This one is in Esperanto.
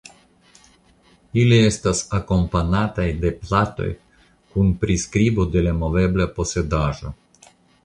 Ili estas akompanataj de platoj kun priskribo de la movebla posedaĵo.